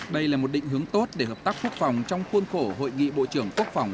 đây là một định hướng tốt để hợp tác quốc phòng trong khuôn khổ hội nghị bộ trưởng quốc phòng